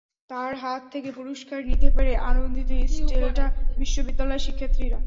তাঁর হাত থেকে পুরস্কার নিতে পেরে আনন্দিত ইস্ট ডেল্টা বিশ্ববিদ্যালয়ের শিক্ষার্থীরা।